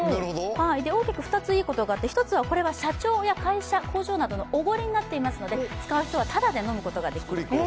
大きく２ついいことがあって、１つはこれは社長や会社、工場のおごりになっていますので使う人はただで飲むことができる。